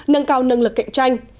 nâng cao năng lực cạnh tranh